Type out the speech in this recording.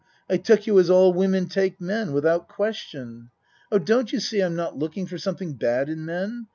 I took you as all women take men without question. Oh, don't you see I'm not looking for something bad in men.